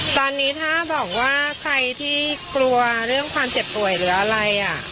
ตอนนี้ถ้าบอกว่าใครที่กลัวเรื่องความเจ็บป่วยหรืออะไร